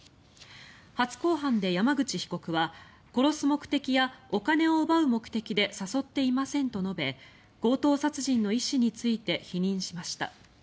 初公判で山口被告は「殺す目的や、お金を奪う目的で誘っていません」と述べ強盗殺人の意思について否認しました。